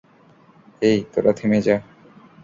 এই, তোরা থেমে যা।